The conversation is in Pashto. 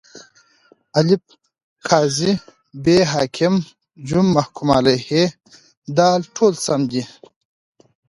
الف: قاضي ب: حاکم ج: محکوم علیه د: ټوله سم دي.